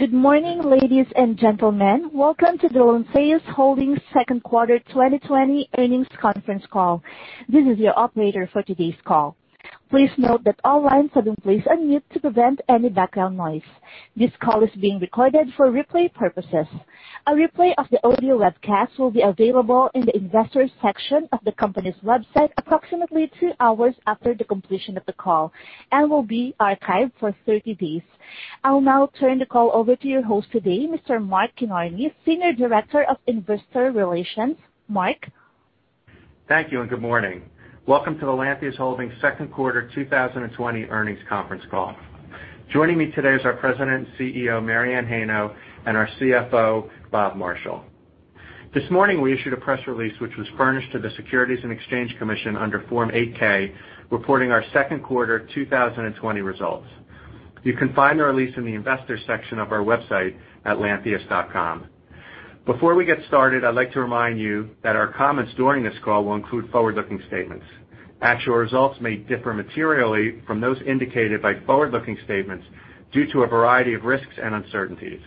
Good morning, ladies and gentlemen. Welcome to the Lantheus Holdings second quarter 2020 earnings conference call. This is your operator for today's call. Please note that all lines have been placed on mute to prevent any background noise. This call is being recorded for replay purposes. A replay of the audio webcast will be available in the Investors section of the company's website approximately two hours after the completion of the call and will be archived for 30 days. I will now turn the call over to your host today, Mr. Mark Kinarney, Senior Director of Investor Relations. Mark? Thank you. Good morning. Welcome to the Lantheus Holdings second quarter 2020 earnings conference call. Joining me today is our President and CEO, Mary Anne Heino, and our CFO, Bob Marshall. This morning, we issued a press release, which was furnished to the Securities and Exchange Commission under Form 8-K, reporting our second quarter 2020 results. You can find our release in the Investors section of our website at lantheus.com. Before we get started, I'd like to remind you that our comments during this call will include forward-looking statements. Actual results may differ materially from those indicated by forward-looking statements due to a variety of risks and uncertainties.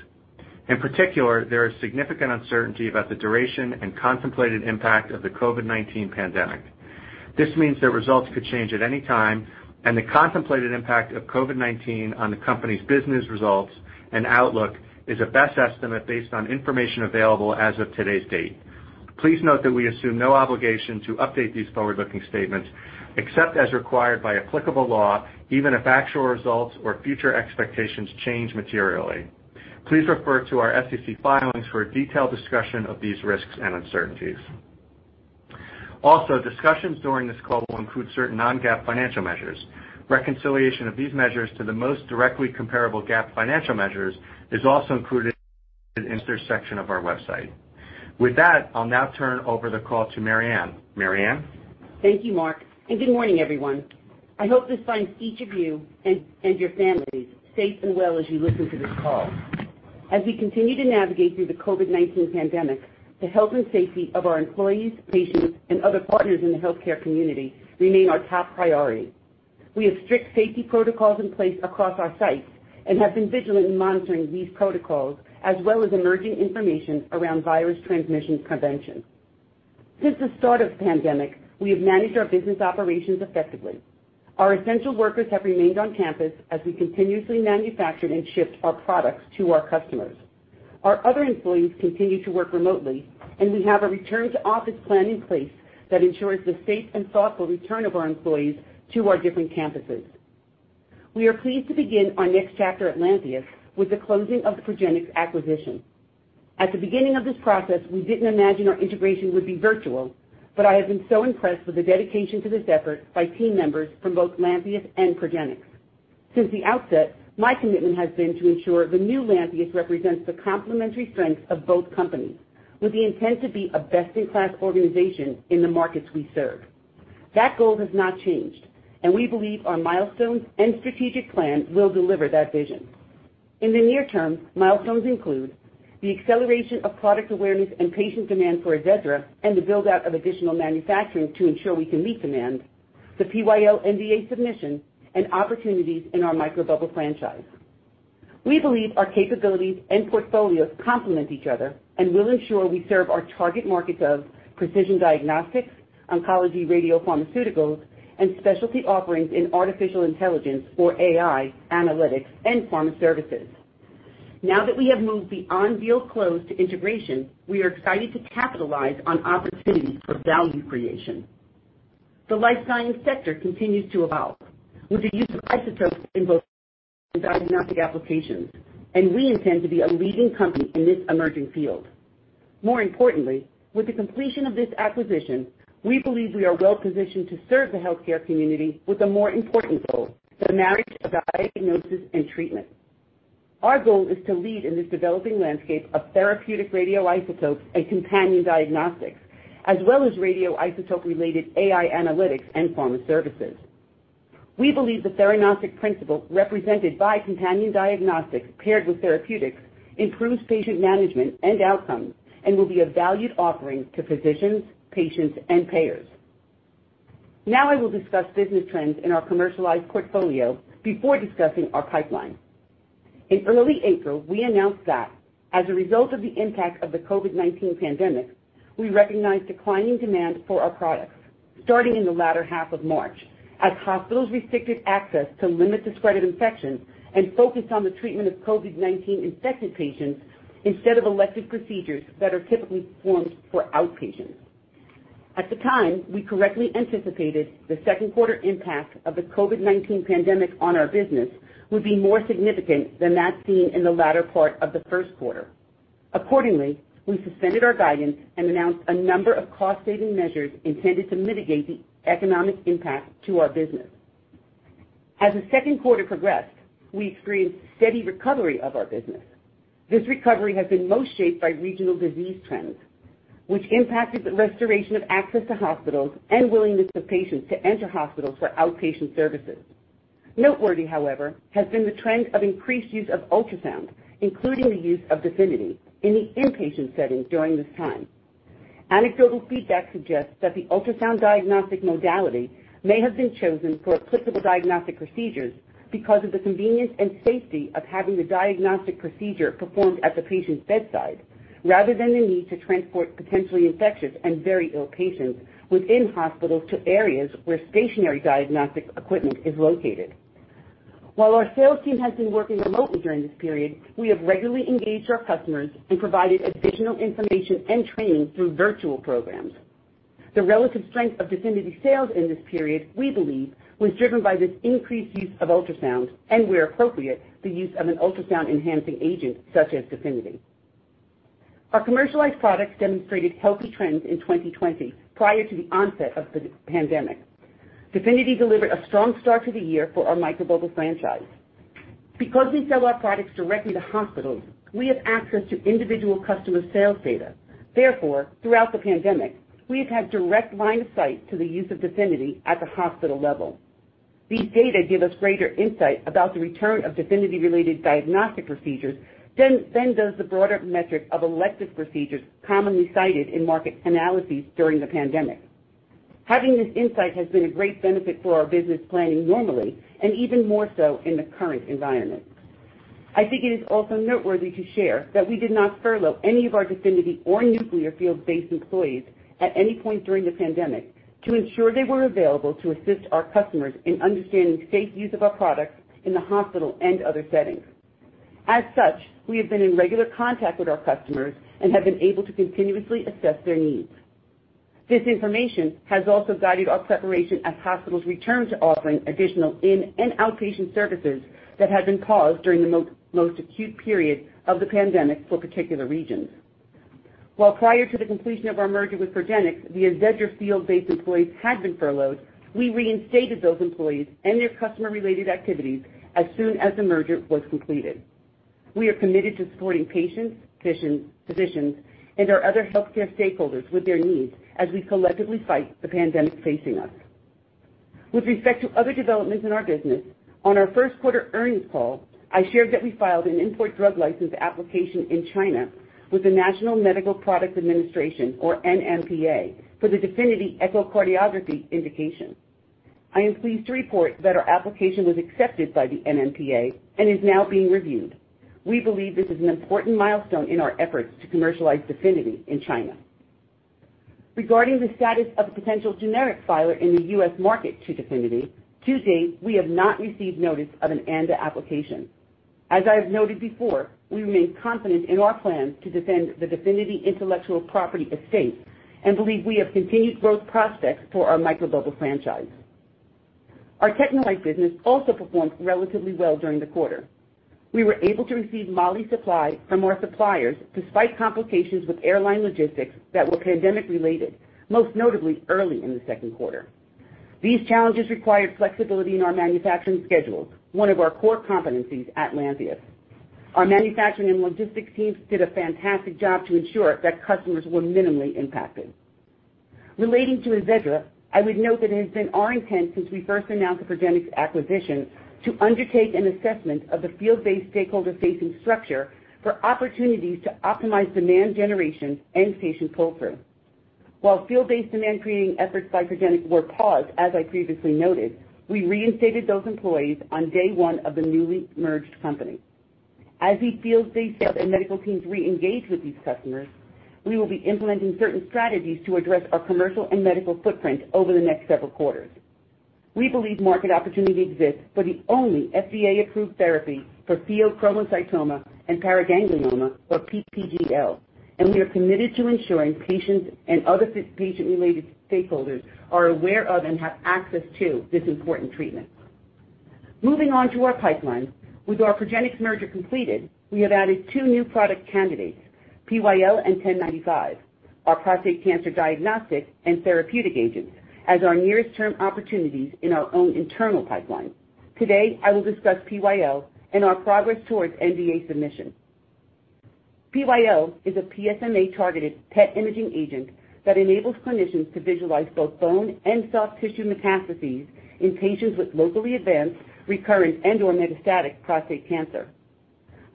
In particular, there is significant uncertainty about the duration and contemplated impact of the COVID-19 pandemic. This means that results could change at any time, and the contemplated impact of COVID-19 on the company's business results and outlook is a best estimate based on information available as of today's date. Please note that we assume no obligation to update these forward-looking statements except as required by applicable law, even if actual results or future expectations change materially. Please refer to our SEC filings for a detailed discussion of these risks and uncertainties. Also, discussions during this call will include certain non-GAAP financial measures. Reconciliation of these measures to the most directly comparable GAAP financial measures is also included in the Investors section of our website. With that, I'll now turn over the call to Mary Anne. Mary Anne? Thank you, Mark, and good morning, everyone. I hope this finds each of you and your families safe and well as you listen to this call. As we continue to navigate through the COVID-19 pandemic, the health and safety of our employees, patients, and other partners in the healthcare community remain our top priority. We have strict safety protocols in place across our sites and have been vigilant in monitoring these protocols, as well as emerging information around virus transmission prevention. Since the start of the pandemic, we have managed our business operations effectively. Our essential workers have remained on campus as we continuously manufactured and shipped our products to our customers. Our other employees continue to work remotely, and we have a return-to-office plan in place that ensures the safe and thoughtful return of our employees to our different campuses. We are pleased to begin our next chapter at Lantheus with the closing of the Progenics acquisition. At the beginning of this process, we didn't imagine our integration would be virtual. I have been so impressed with the dedication to this effort by team members from both Lantheus and Progenics. Since the outset, my commitment has been to ensure the new Lantheus represents the complementary strengths of both companies, with the intent to be a best-in-class organization in the markets we serve. That goal has not changed. We believe our milestones and strategic plan will deliver that vision. In the near term, milestones include the acceleration of product awareness and patient demand for AZEDRA and the build-out of additional manufacturing to ensure we can meet demand, the PyL NDA submission, and opportunities in our microbubble franchise. We believe our capabilities and portfolios complement each other and will ensure we serve our target markets of precision diagnostics, oncology radiopharmaceuticals, and specialty offerings in artificial intelligence, or AI, analytics, and pharma services. Now that we have moved beyond deal close to integration, we are excited to capitalize on opportunities for value creation. The life science sector continues to evolve with the use of isotopes in both diagnostic applications, and we intend to be a leading company in this emerging field. More importantly, with the completion of this acquisition, we believe we are well-positioned to serve the healthcare community with a more important goal, the marriage of diagnosis and treatment. Our goal is to lead in this developing landscape of therapeutic radioisotopes and companion diagnostics, as well as radioisotope-related AI analytics and pharma services. We believe the theranostic principle represented by companion diagnostics paired with therapeutics improves patient management and outcomes and will be a valued offering to physicians, patients, and payers. I will discuss business trends in our commercialized portfolio before discussing our pipeline. In early April, we announced that as a result of the impact of the COVID-19 pandemic, we recognized declining demand for our products starting in the latter half of March, as hospitals restricted access to limit the spread of infections and focused on the treatment of COVID-19-infected patients instead of elective procedures that are typically performed for outpatients. At the time, we correctly anticipated the second quarter impact of the COVID-19 pandemic on our business would be more significant than that seen in the latter part of the first quarter. Accordingly, we suspended our guidance and announced a number of cost-saving measures intended to mitigate the economic impact to our business. As the second quarter progressed, we've seen steady recovery of our business. This recovery has been most shaped by regional disease trends, which impacted the restoration of access to hospitals and willingness of patients to enter hospitals for outpatient services. Noteworthy, however, has been the trend of increased use of ultrasound, including the use of DEFINITY, in the inpatient setting during this time. Anecdotal feedback suggests that the ultrasound diagnostic modality may have been chosen for applicable diagnostic procedures because of the convenience and safety of having the diagnostic procedure performed at the patient's bedside, rather than the need to transport potentially infectious and very ill patients within hospitals to areas where stationary diagnostic equipment is located. While our sales team has been working remotely during this period, we have regularly engaged our customers and provided additional information and training through virtual programs. The relative strength of DEFINITY sales in this period, we believe, was driven by this increased use of ultrasound and, where appropriate, the use of an ultrasound enhancing agent such as DEFINITY. Our commercialized products demonstrated healthy trends in 2020 prior to the onset of the pandemic. DEFINITY delivered a strong start to the year for our microbubble franchise. Because we sell our products directly to hospitals, we have access to individual customer sales data. Throughout the pandemic, we have had direct line of sight to the use of DEFINITY at the hospital level. These data give us greater insight about the return of DEFINITY-related diagnostic procedures than does the broader metric of elective procedures commonly cited in market analyses during the pandemic. Having this insight has been a great benefit for our business planning normally, and even more so in the current environment. I think it is also noteworthy to share that we did not furlough any of our DEFINITY or nuclear field-based employees at any point during the pandemic to ensure they were available to assist our customers in understanding safe use of our products in the hospital and other settings. As such, we have been in regular contact with our customers and have been able to continuously assess their needs. This information has also guided our preparation as hospitals return to offering additional in and outpatient services that have been paused during the most acute period of the pandemic for particular regions. While prior to the completion of our merger with Progenics, the AZEDRA field-based employees had been furloughed, we reinstated those employees and their customer-related activities as soon as the merger was completed. We are committed to supporting patients, physicians, and our other healthcare stakeholders with their needs as we collectively fight the pandemic facing us. With respect to other developments in our business, on our first quarter earnings call, I shared that we filed an import drug license application in China with the National Medical Products Administration, or NMPA, for the DEFINITY echocardiography indication. I am pleased to report that our application was accepted by the NMPA and is now being reviewed. We believe this is an important milestone in our efforts to commercialize DEFINITY in China. Regarding the status of a potential generic filer in the U.S. market to DEFINITY, to date, we have not received notice of an ANDA application. As I have noted before, we remain confident in our plans to defend the DEFINITY intellectual property estate and believe we have continued growth prospects for our microbubble franchise. Our TechneLite business also performed relatively well during the quarter. We were able to receive moly supply from our suppliers despite complications with airline logistics that were pandemic-related, most notably early in the second quarter. These challenges required flexibility in our manufacturing schedules, one of our core competencies at Lantheus. Our manufacturing and logistics teams did a fantastic job to ensure that customers were minimally impacted. Relating to AZEDRA, I would note that it has been our intent since we first announced the Progenics acquisition to undertake an assessment of the field-based stakeholder-facing structure for opportunities to optimize demand generation and patient pull-through. While field-based demand-creating efforts by Progenics were paused, as I previously noted, we reinstated those employees on day one of the newly merged company. As the field-based and medical teams reengage with these customers, we will be implementing certain strategies to address our commercial and medical footprint over the next several quarters. We believe market opportunity exists for the only FDA-approved therapy for pheochromocytoma and paraganglioma, or PPGL, and we are committed to ensuring patients and other patient-related stakeholders are aware of and have access to this important treatment. Moving on to our pipeline. With our Progenics merger completed, we have added two new product candidates, PyL and 1095, our prostate cancer diagnostic and therapeutic agents, as our nearest term opportunities in our own internal pipeline. Today, I will discuss PyL and our progress towards NDA submission. PyL is a PSMA-targeted PET imaging agent that enables clinicians to visualize both bone and soft tissue metastases in patients with locally advanced, recurrent, and/or metastatic prostate cancer.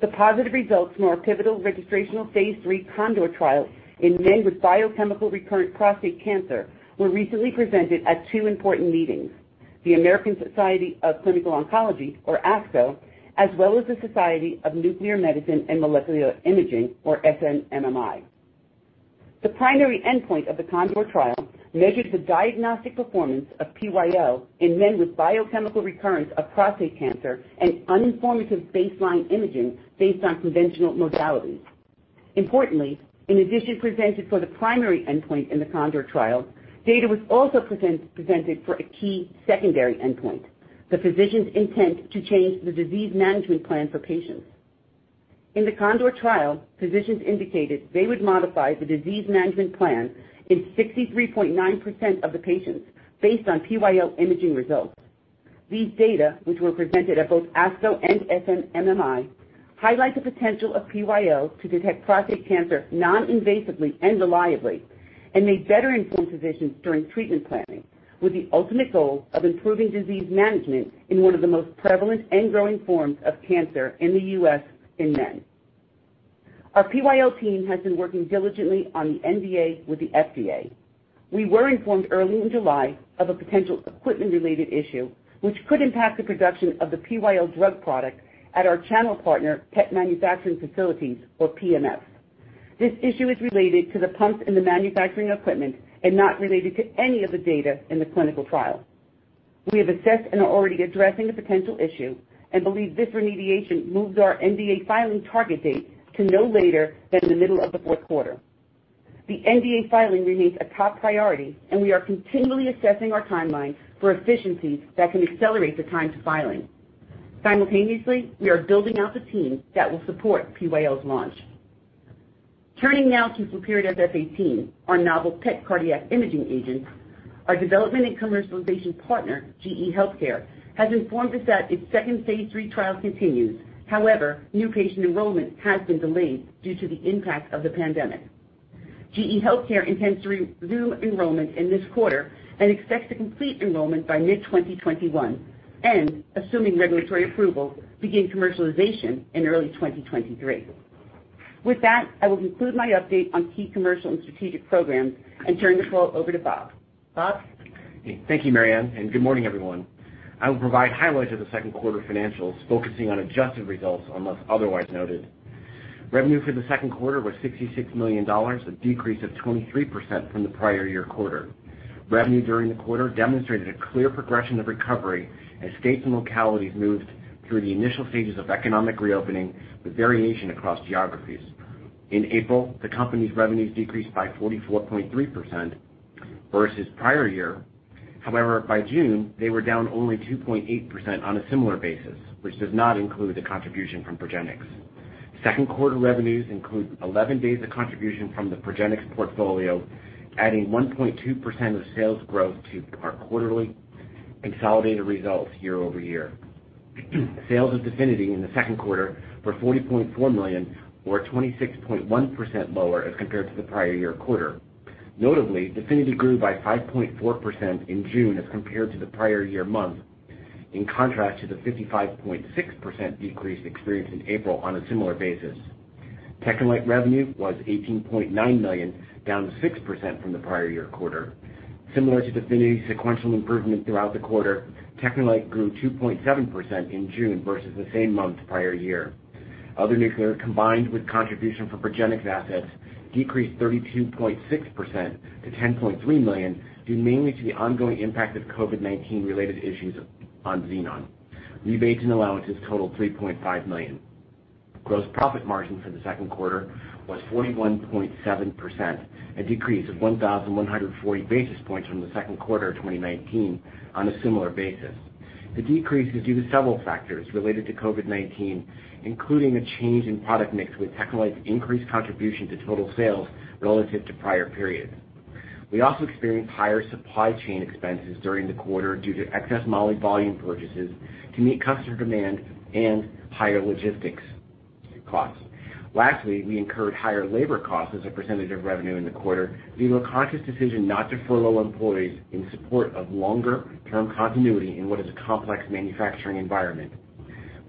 The positive results from our pivotal registrational phase III CONDOR trial in men with biochemical recurrent prostate cancer were recently presented at two important meetings, the American Society of Clinical Oncology, or ASCO, as well as the Society of Nuclear Medicine and Molecular Imaging, or SNMMI. The primary endpoint of the CONDOR trial measured the diagnostic performance of PyL in men with biochemical recurrence of prostate cancer and uninformative baseline imaging based on conventional modalities. Importantly, in addition to presented for the primary endpoint in the CONDOR trial, data was also presented for a key secondary endpoint, the physician's intent to change the disease management plan for patients. In the CONDOR trial, physicians indicated they would modify the disease management plan in 63.9% of the patients based on PyL imaging results. These data, which were presented at both ASCO and SNMMI, highlight the potential of PyL to detect prostate cancer noninvasively and reliably and may better inform physicians during treatment planning, with the ultimate goal of improving disease management in one of the most prevalent and growing forms of cancer in the U.S. in men. Our PyL team has been working diligently on the NDA with the FDA. We were informed early in July of a potential equipment-related issue, which could impact the production of the PyL drug product at our channel partner, PET Manufacturing Facilities, or PMF. This issue is related to the pumps and the manufacturing equipment and not related to any of the data in the clinical trial. We have assessed and are already addressing the potential issue and believe this remediation moves our NDA filing target date to no later than the middle of the fourth quarter. The NDA filing remains a top priority, and we are continually assessing our timeline for efficiencies that can accelerate the time to filing. Simultaneously, we are building out the team that will support PyL's launch. Turning now to flurpiridaz F 18, our novel PET cardiac imaging agent. Our development and commercialization partner, GE Healthcare, has informed us that its second phase III trial continues. However, new patient enrollment has been delayed due to the impact of the pandemic. GE Healthcare intends to resume enrollment in this quarter and expects to complete enrollment by mid-2021, and, assuming regulatory approval, begin commercialization in early 2023. With that, I will conclude my update on key commercial and strategic programs and turn the call over to Bob. Bob? Thank you, Mary Anne, good morning, everyone. I will provide highlights of the second quarter financials, focusing on adjusted results unless otherwise noted. Revenue for the second quarter was $66 million, a decrease of 23% from the prior year quarter. Revenue during the quarter demonstrated a clear progression of recovery as states and localities moved through the initial stages of economic reopening with variation across geographies. In April, the company's revenues decreased by 44.3% versus prior year. By June, they were down only 2.8% on a similar basis, which does not include the contribution from Progenics. Second quarter revenues include 11 days of contribution from the Progenics portfolio, adding 1.2% of sales growth to our quarterly consolidated results year-over-year. Sales of DEFINITY in the second quarter were $40.4 million, or 26.1% lower as compared to the prior year quarter. Notably, DEFINITY grew by 5.4% in June as compared to the prior year month, in contrast to the 55.6% decrease experienced in April on a similar basis. TechneLite revenue was $18.9 million, down 6% from the prior year quarter. Similar to DEFINITY's sequential improvement throughout the quarter, TechneLite grew 2.7% in June versus the same month prior year. Other nuclear, combined with contribution from Progenics assets, decreased 32.6% to $10.3 million, due mainly to the ongoing impact of COVID-19 related issues on Xenon. Rebates and allowances totaled $3.5 million. Gross profit margin for the second quarter was 41.7%, a decrease of 1,140 basis points from the second quarter of 2019 on a similar basis. The decrease is due to several factors related to COVID-19, including a change in product mix with TechneLite's increased contribution to total sales relative to prior periods. We also experienced higher supply chain expenses during the quarter due to excess moly volume purchases to meet customer demand and higher logistics costs. Lastly, we incurred higher labor costs as a percentage of revenue in the quarter due to a conscious decision not to furlough employees in support of longer-term continuity in what is a complex manufacturing environment.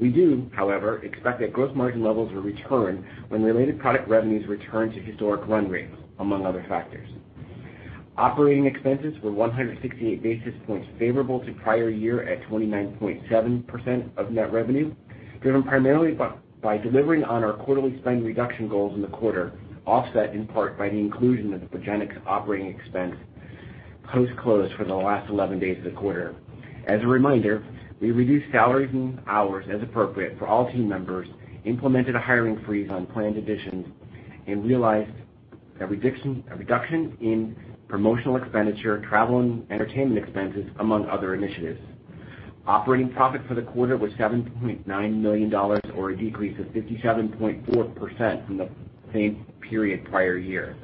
We do, however, expect that gross margin levels will return when related product revenues return to historic run rates, among other factors. Operating expenses were 168 basis points favorable to prior year at 29.7% of net revenue, driven primarily by delivering on our quarterly spend reduction goals in the quarter, offset in part by the inclusion of the Progenics operating expense post-close for the last 11 days of the quarter. As a reminder, we reduced salaries and hours as appropriate for all team members, implemented a hiring freeze on planned additions, and realized a reduction in promotional expenditure, travel and entertainment expenses, among other initiatives. Operating profit for the quarter was $7.9 million, or a decrease of 57.4% from the same period prior year.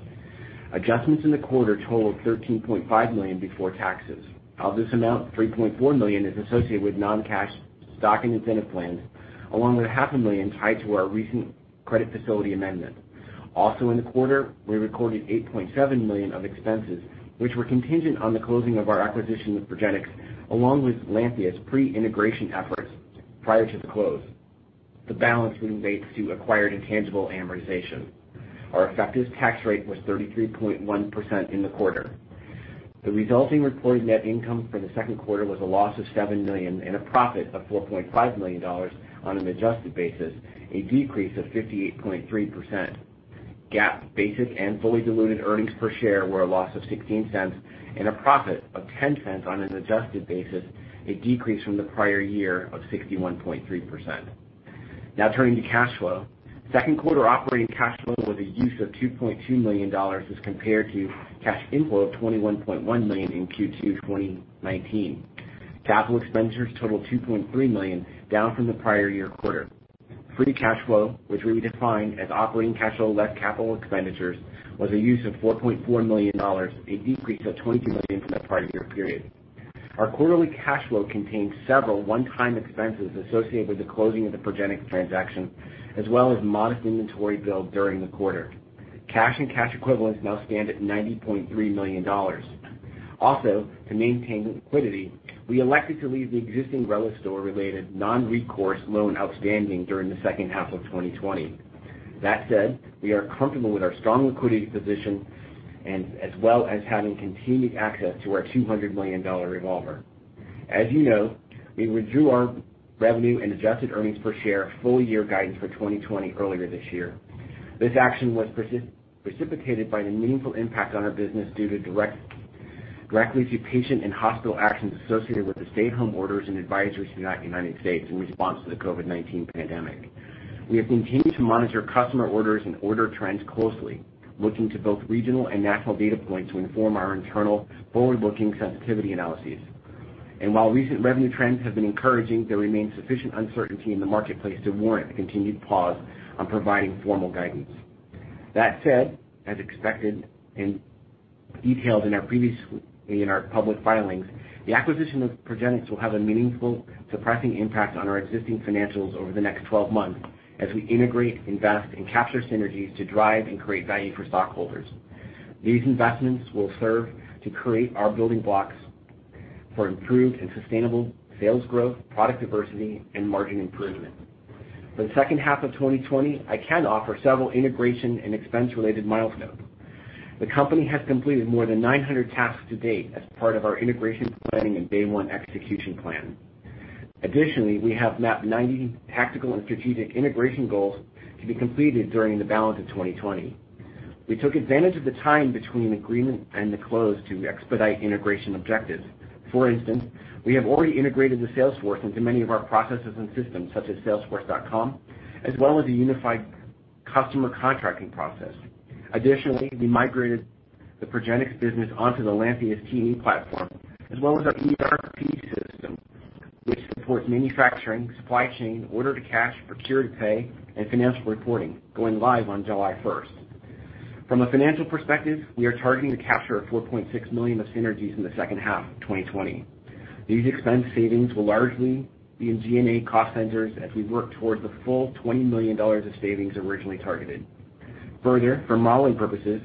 Adjustments in the quarter totaled $13.5 million before taxes. Of this amount, $3.4 million is associated with non-cash stock and incentive plans, along with a half a million tied to our recent credit facility amendment. Also in the quarter, we recorded $8.7 million of expenses, which were contingent on the closing of our acquisition with Progenics, along with Lantheus pre-integration efforts prior to the close. The balance relates to acquired intangible amortization. Our effective tax rate was 33.1% in the quarter. The resulting reported net income for the second quarter was a loss of $7 million and a profit of $4.5 million on an adjusted basis, a decrease of 58.3%. GAAP basic and fully diluted earnings per share were a loss of $0.16 and a profit of $0.10 on an adjusted basis, a decrease from the prior year of 61.3%. Now turning to cash flow. Second quarter operating cash flow was a use of $2.2 million as compared to cash inflow of $21.1 million in Q2 2019. Capital expenditures totaled $2.3 million, down from the prior year quarter. Free cash flow, which we define as operating cash flow less capital expenditures, was a use of $4.4 million, a decrease of $22 million from the prior year period. Our quarterly cash flow contained several one-time expenses associated with the closing of the Progenics transaction, as well as modest inventory build during the quarter. Cash and cash equivalents now stand at $90.3 million. To maintain liquidity, we elected to leave the existing RELISTOR-related non-recourse loan outstanding during the second half of 2020. We are comfortable with our strong liquidity position as well as having continued access to our $200 million revolver. As you know, we withdrew our revenue and adjusted earnings per share full-year guidance for 2020 earlier this year. This action was precipitated by the meaningful impact on our business directly to patient and hospital actions associated with the stay-at-home orders and advisories throughout the U.S. in response to the COVID-19 pandemic. We have continued to monitor customer orders and order trends closely, looking to both regional and national data points to inform our internal forward-looking sensitivity analyses. While recent revenue trends have been encouraging, there remains sufficient uncertainty in the marketplace to warrant a continued pause on providing formal guidance. That said, as expected and detailed previously in our public filings, the acquisition of Progenics will have a meaningful suppressing impact on our existing financials over the next 12 months as we integrate, invest, and capture synergies to drive and create value for stockholders. These investments will serve to create our building blocks for improved and sustainable sales growth, product diversity, and margin improvement. For the second half of 2020, I can offer several integration and expense-related milestones. The company has completed more than 900 tasks to date as part of our integration planning and day one execution plan. Additionally, we have mapped 90 tactical and strategic integration goals to be completed during the balance of 2020. We took advantage of the time between agreement and the close to expedite integration objectives. For instance, we have already integrated the sales force into many of our processes and systems, such as salesforce.com, as well as a unified customer contracting process. Additionally, we migrated the Progenics business onto the Lantheus T&E platform, as well as our ERP system, which supports manufacturing, supply chain, order to cash, procure to pay, and financial reporting, going live on July 1st. From a financial perspective, we are targeting to capture $4.6 million of synergies in the second half of 2020. These expense savings will largely be in G&A cost centers as we work towards the full $20 million of savings originally targeted. For modeling purposes,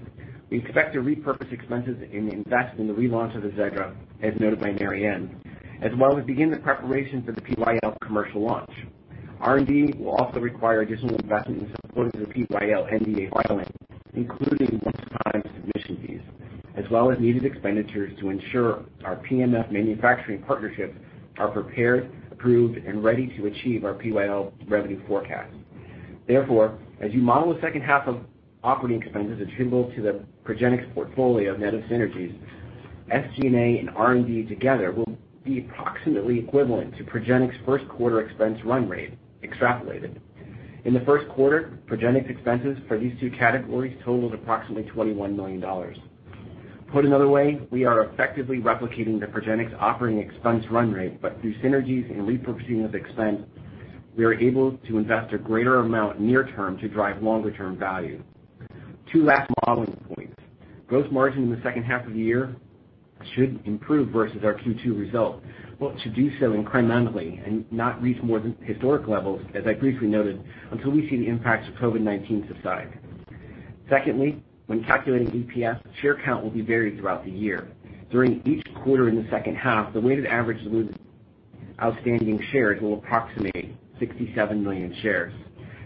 we expect to repurpose expenses and invest in the relaunch of AZEDRA, as noted by Mary Anne, as well as begin the preparations of the PyL commercial launch. R&D will also require additional investment in support of the PyL NDA filing, including one-time submission fees, as well as needed expenditures to ensure our PMF manufacturing partnerships are prepared, approved, and ready to achieve our PyL revenue forecast. As you model the second half of operating expenses attributable to the Progenics portfolio of net of synergies, SG&A and R&D together will be approximately equivalent to Progenics' first quarter expense run rate extrapolated. In the first quarter, Progenics expenses for these two categories totaled approximately $21 million. Put another way, we are effectively replicating the Progenics operating expense run rate, but through synergies and repurposing of expense, we are able to invest a greater amount near term to drive longer-term value. Two last modeling points. Gross margin in the second half of the year should improve versus our Q2 result, but should do so incrementally and not reach more than historic levels, as I briefly noted, until we see the impacts of COVID-19 subside. Secondly, when calculating EPS, share count will be varied throughout the year. During each quarter in the second half, the weighted average diluted outstanding shares will approximate 67 million shares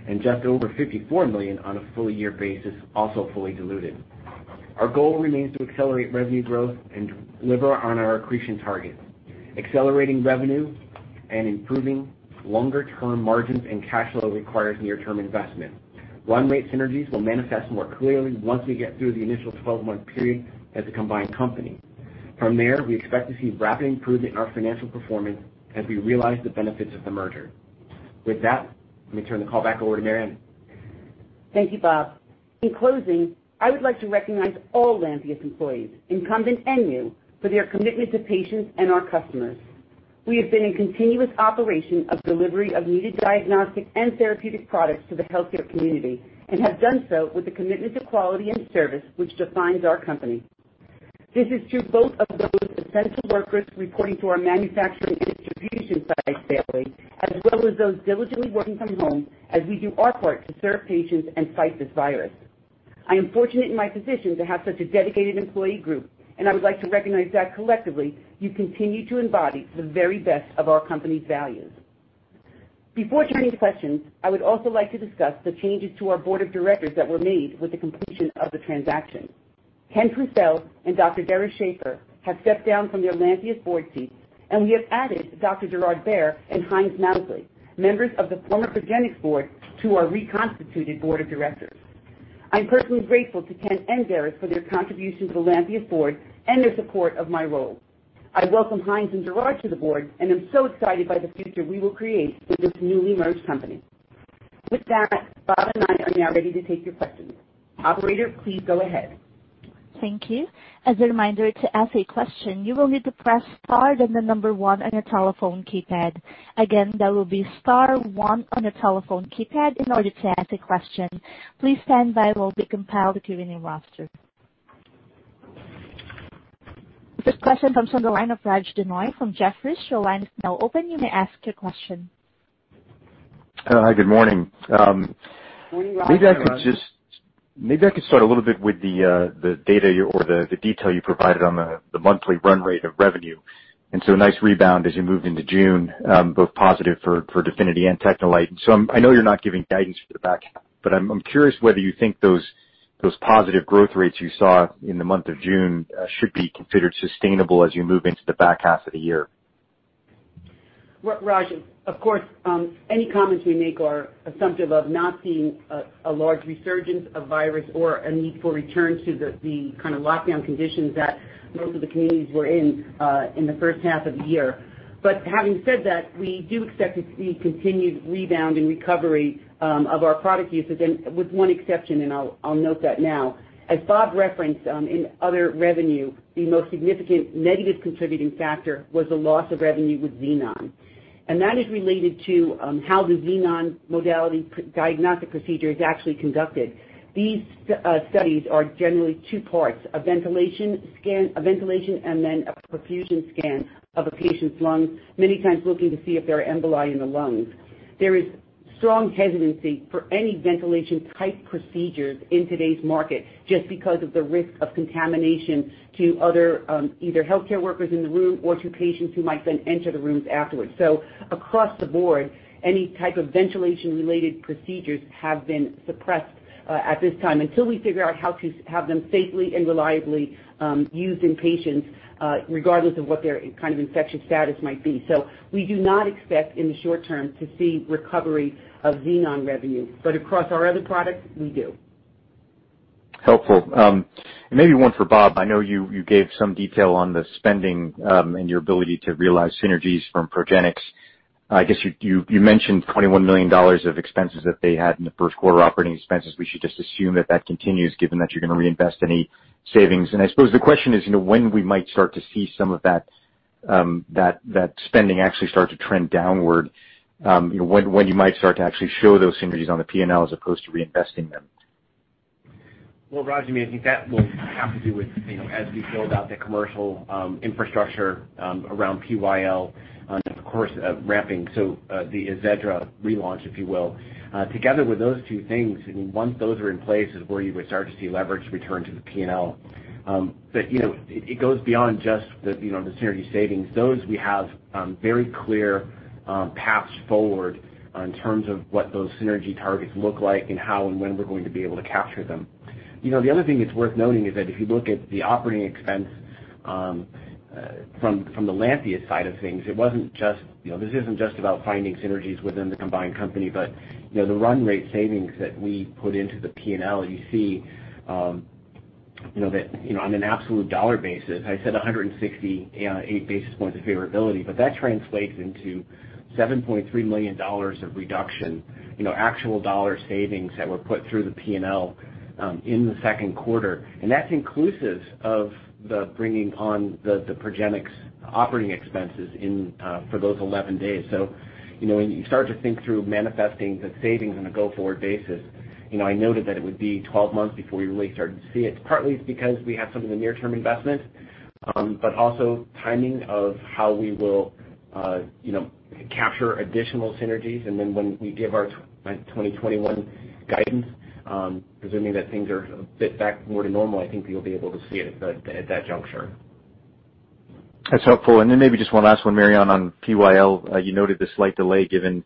and just over 54 million on a full-year basis, also fully diluted. Our goal remains to accelerate revenue growth and deliver on our accretion target. Accelerating revenue and improving longer-term margins and cash flow requires near-term investment. Run rate synergies will manifest more clearly once we get through the initial 12-month period as a combined company. From there, we expect to see rapid improvement in our financial performance as we realize the benefits of the merger. With that, let me turn the call back over to Mary Anne. Thank you, Bob. In closing, I would like to recognize all Lantheus employees, incumbent and new, for their commitment to patients and our customers. We have been in continuous operation of delivery of needed diagnostic and therapeutic products to the healthcare community and have done so with the commitment to quality and service which defines our company. This is true both of those essential workers reporting to our manufacturing and distribution sites daily, as well as those diligently working from home as we do our part to serve patients and fight this virus. I am fortunate in my position to have such a dedicated employee group, and I would like to recognize that collectively you continue to embody the very best of our company's values. Before taking questions, I would also like to discuss the changes to our board of directors that were made with the completion of the transaction. Ken Pucel and Dr. Derace Schaffer have stepped down from their Lantheus board seats, and we have added Dr. Gérard Ber and Heinz Mäusli, members of the former Progenics board, to our reconstituted board of directors. I'm personally grateful to Ken and Derace for their contribution to the Lantheus board and their support of my role. I welcome Heinz and Gérard to the board and am so excited by the future we will create for this newly merged company. With that, Bob and I are now ready to take your questions. Operator, please go ahead. Thank you. As a reminder, to ask a question, you will need to press star, then the number one on your telephone keypad. Again, that will be star one on your telephone keypad in order to ask a question. Please stand by while we compile the queuing roster. This question comes from the line of Raj Denhoy from Jefferies. Your line is now open. You may ask your question. Hi, good morning. Good morning, Raj. Maybe I could start a little bit with the data or the detail you provided on the monthly run rate of revenue. A nice rebound as you moved into June, both positive for DEFINITY and TechneLite. I know you're not giving guidance for the back half, I'm curious whether you think those positive growth rates you saw in the month of June should be considered sustainable as you move into the back half of the year. Raj, of course, any comments we make are assumptive of not seeing a large resurgence of virus or a need for return to the kind of lockdown conditions that most of the communities were in the first half of the year. Having said that, we do expect to see continued rebound and recovery of our product usage, with one exception, and I'll note that now. As Bob referenced, in other revenue, the most significant negative contributing factor was the loss of revenue with Xenon. That is related to how the Xenon modality diagnostic procedure is actually conducted. These studies are generally two parts, a ventilation scan and then a perfusion scan of a patient's lungs, many times looking to see if there are emboli in the lungs. There is strong hesitancy for any ventilation-type procedures in today's market just because of the risk of contamination to other either healthcare workers in the room or to patients who might then enter the rooms afterwards. Across the board, any type of ventilation-related procedures have been suppressed at this time until we figure out how to have them safely and reliably used in patients regardless of what their infection status might be. We do not expect in the short term to see recovery of Xenon revenue. Across our other products, we do. Helpful. Maybe one for Bob. I know you gave some detail on the spending and your ability to realize synergies from Progenics. I guess you mentioned $21 million of expenses that they had in the first quarter operating expenses. We should just assume that that continues given that you're going to reinvest any savings. I suppose the question is when we might start to see some of that spending actually start to trend downward, when you might start to actually show those synergies on the P&L as opposed to reinvesting them. Well, Raj, I think that will have to do with as we build out the commercial infrastructure around PyL, of course, ramping, the AZEDRA relaunch, if you will. Together with those two things, once those are in place is where you would start to see leverage return to the P&L. It goes beyond just the synergy savings. Those we have very clear paths forward in terms of what those synergy targets look like and how and when we're going to be able to capture them. The other thing that's worth noting is that if you look at the operating expense from the Lantheus side of things, this isn't just about finding synergies within the combined company, but the run rate savings that we put into the P&L, you see that on an absolute dollar basis, I said 168 basis points of favorability, but that translates into $7.3 million of reduction, actual dollar savings that were put through the P&L in the second quarter. That's inclusive of the bringing on the Progenics operating expenses for those 11 days. When you start to think through manifesting the savings on a go-forward basis, I noted that it would be 12 months before we really started to see it, partly it's because we have some of the near-term investment, also timing of how we will capture additional synergies. When we give our 2021 guidance, presuming that things are a bit back more to normal, I think you'll be able to see it at that juncture. That's helpful. Maybe just one last one, Mary Anne, on PyL. You noted the slight delay given,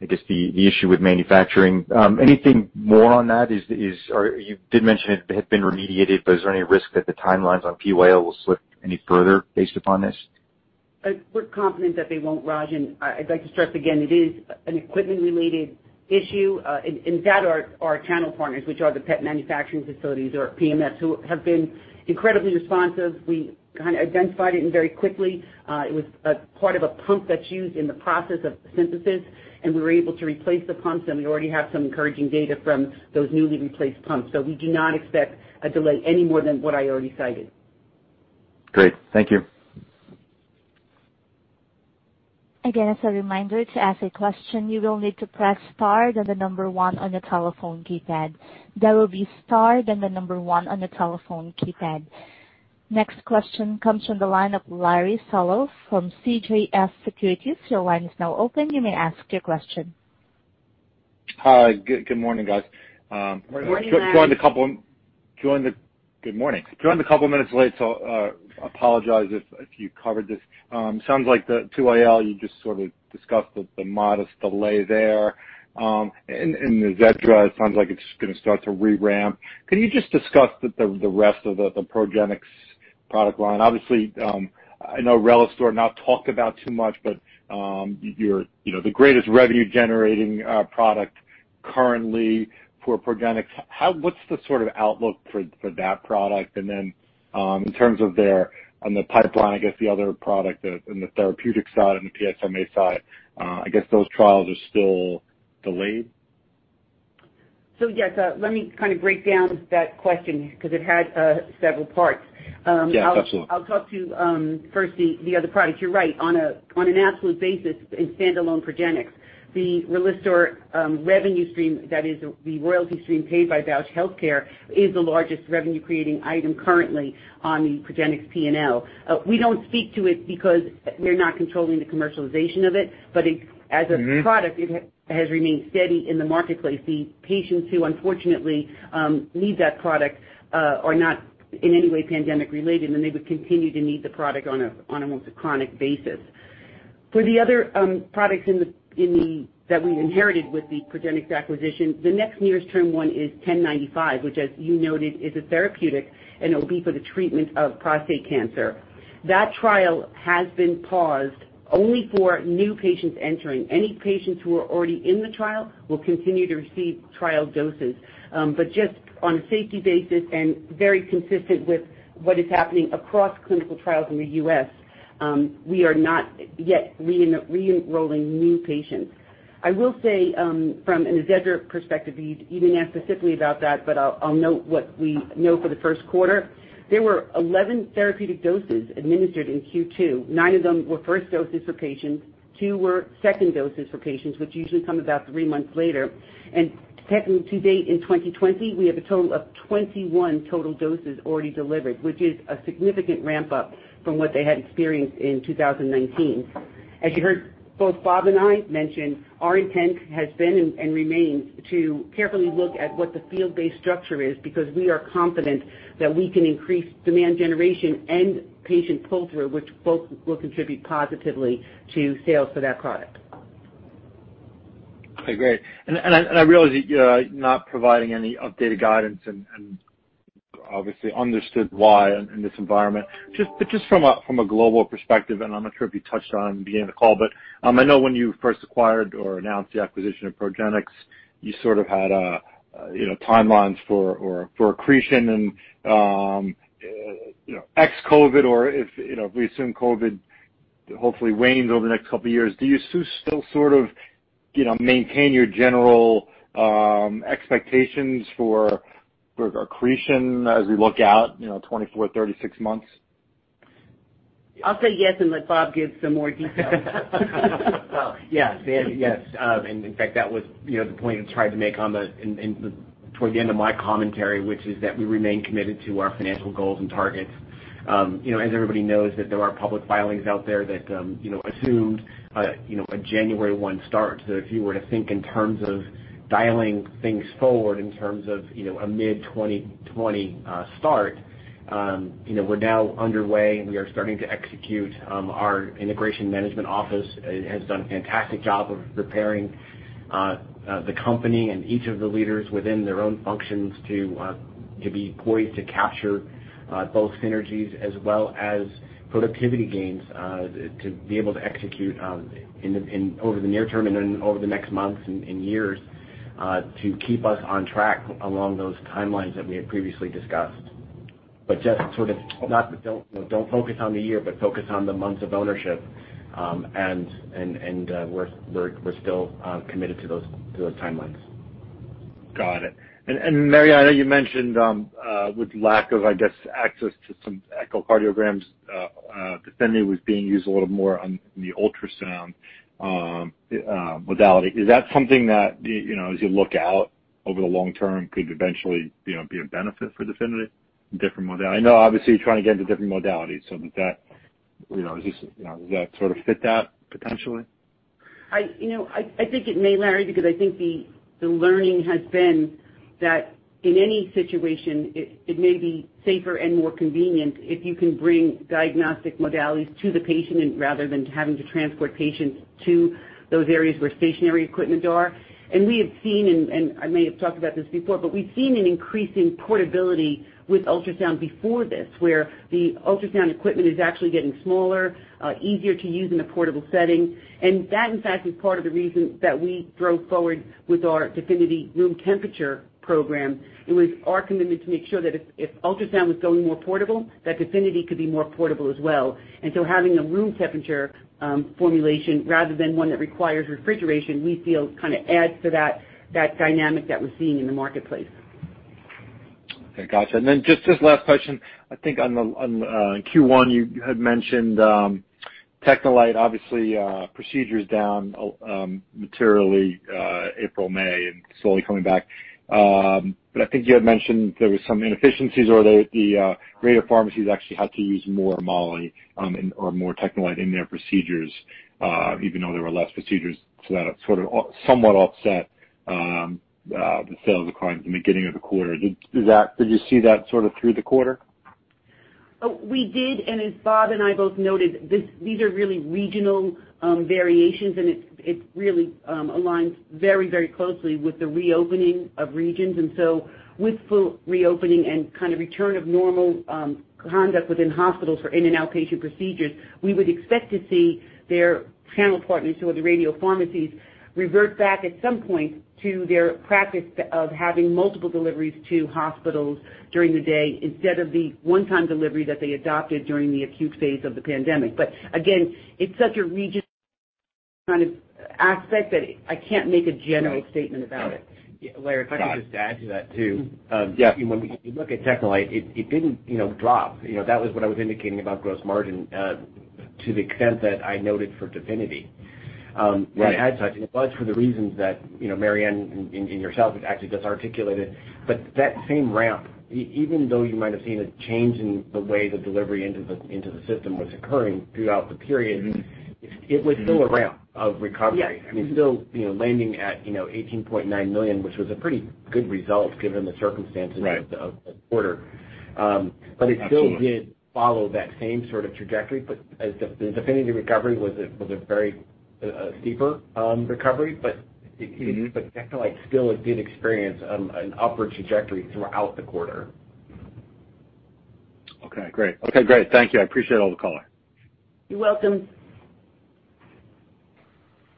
I guess, the issue with manufacturing. Anything more on that? You did mention it had been remediated, is there any risk that the timelines on PyL will slip any further based upon this? We're confident that they won't, Raj, and I'd like to stress again, it is an equipment-related issue, and that our channel partners, which are the PET Manufacturing Facilities or PMFs, who have been incredibly responsive. We identified it very quickly. It was a part of a pump that's used in the process of synthesis, and we were able to replace the pumps, and we already have some encouraging data from those newly replaced pumps. We do not expect a delay any more than what I already cited. Great. Thank you. Again, as a reminder, to ask a question, you will need to press star, then the number one on the telephone keypad. That will be star, then the number one on the telephone keypad. Next question comes from the line of Larry Solow from CJS Securities. Your line is now open. You may ask your question. Hi, good morning, guys. Morning, Larry. Good morning. Joined a couple of minutes late, apologize if you covered this. Sounds like the PyL you just sort of discussed the modest delay there. AZEDRA, it sounds like it's going to start to re-ramp. Could you just discuss the rest of the Progenics product line? Obviously, I know RELISTOR is not talked about too much, but the greatest revenue-generating product currently for Progenics. What's the sort of outlook for that product? In terms of their pipeline, I guess the other product in the therapeutics side and the PSMA side. I guess those trials are still delayed. Yes. Let me kind of break down that question because it had several parts. Yeah, absolutely. I'll talk to, firstly, the other products. You're right. On an absolute basis in standalone Progenics, the RELISTOR revenue stream, that is the royalty stream paid by Bausch Health Care, is the largest revenue-creating item currently on the Progenics P&L. As a product, it has remained steady in the marketplace. The patients who unfortunately need that product are not in any way pandemic-related, and they would continue to need the product on an almost chronic basis. For the other products that we inherited with the Progenics acquisition, the next nearest term one is 1095, which, as you noted, is a therapeutic, and it will be for the treatment of prostate cancer. That trial has been paused only for new patients entering. Any patients who are already in the trial will continue to receive trial doses. Just on a safety basis and very consistent with what is happening across clinical trials in the U.S., we are not yet re-enrolling new patients. I will say from an AZEDRA perspective, you didn't ask specifically about that, but I'll note what we know for the first quarter. There were 11 therapeutic doses administered in Q2. Nine of them were first doses for patients. Two were second doses for patients, which usually come about three months later. To date in 2020, we have a total of 21 total doses already delivered, which is a significant ramp-up from what they had experienced in 2019. As you heard both Bob and Mary Anne mention, our intent has been and remains to carefully look at what the field-based structure is because we are confident that we can increase demand generation and patient pull-through, which both will contribute positively to sales for that product. I agree. I realize that you're not providing any updated guidance and obviously understood why in this environment. Just from a global perspective, and I'm not sure if you touched on it at the beginning of the call, but I know when you first acquired or announced the acquisition of Progenics, you sort of had timelines for accretion and ex-COVID, or if we assume COVID hopefully wanes over the next couple of years, do you still sort of maintain your general expectations for accretion as we look out 24, 36 months? I'll say yes and let Bob give some more details. Yes. In fact, that was the point I tried to make toward the end of my commentary, which is that we remain committed to our financial goals and targets. As everybody knows, that there are public filings out there that assumed a January 1 start. If you were to think in terms of dialing things forward in terms of a mid-2020 start, we're now underway, and we are starting to execute. Our integration management office has done a fantastic job of preparing the company and each of the leaders within their own functions to be poised to capture both synergies as well as productivity gains to be able to execute over the near term and then over the next months and years to keep us on track along those timelines that we had previously discussed. Just sort of don't focus on the year, but focus on the months of ownership. We're still committed to those timelines. Got it. Mary, I know you mentioned with lack of, I guess, access to some echocardiograms, DEFINITY was being used a little more on the ultrasound modality. Is that something that, as you look out over the long term, could eventually be a benefit for DEFINITY, a different modality? I know obviously you're trying to get into different modalities, does that sort of fit that potentially? I think it may, Larry, because I think the learning has been that in any situation, it may be safer and more convenient if you can bring diagnostic modalities to the patient rather than having to transport patients to those areas where stationary equipment are. We have seen, and I may have talked about this before, but we've seen an increase in portability with ultrasound before this, where the ultrasound equipment is actually getting smaller, easier to use in a portable setting. That, in fact, is part of the reason that we drove forward with our DEFINITY room temperature program. It was our commitment to make sure that if ultrasound was going more portable, that DEFINITY could be more portable as well. Having a room temperature formulation rather than one that requires refrigeration, we feel kind of adds to that dynamic that we're seeing in the marketplace. Okay, got you. Just this last question, I think on Q1 you had mentioned TechneLite, obviously procedures down materially April, May, and slowly coming back. I think you had mentioned there was some inefficiencies or the radiopharmacies actually had to use more moly or more TechneLite in their procedures even though there were less procedures. That sort of somewhat offset the sales decline in the beginning of the quarter. Did you see that sort of through the quarter? We did, as Bob and I both noted, these are really regional variations, and it really aligns very closely with the reopening of regions. With full reopening and kind of return of normal conduct within hospitals for in- and out-patient procedures, we would expect to see their channel partners who are the radiopharmacies revert back at some point to their practice of having multiple deliveries to hospitals during the day instead of the one-time delivery that they adopted during the acute phase of the pandemic. Again, it's such a regional kind of aspect that I can't make a general statement about it. Larry, if I could just add to that, too. Yeah. When we look at TechneLite, it didn't drop. That was what I was indicating about gross margin to the extent that I noted for DEFINITY. Right. It had such, and it was for the reasons that Mary Anne and yourself have actually just articulated. That same ramp, even though you might have seen a change in the way the delivery into the system was occurring throughout the period. it was still a ramp of recovery. Yes. I mean, still landing at $18.9 million, which was a pretty good result given the circumstances- Right. ...of the quarter. It still did follow that same sort of trajectory. The DEFINITY recovery was a very steeper recovery. TechneLite still did experience an upward trajectory throughout the quarter. Okay, great. Thank you. I appreciate all the color. You're welcome.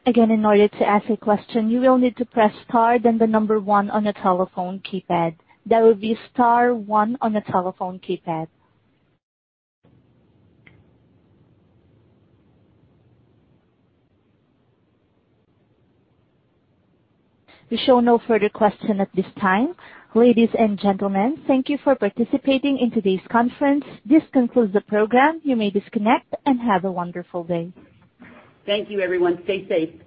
Again, in order to ask a question, you will need to press star, then the number one on the telephone keypad. That would be star one on the telephone keypad. We show no further question at this time. Ladies and gentlemen, thank you for participating in today's conference. This concludes the program. You may disconnect and have a wonderful day. Thank you, everyone. Stay safe.